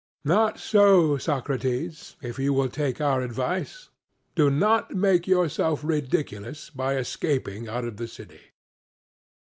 Not so, Socrates, if you will take our advice; do not make yourself ridiculous by escaping out of the city.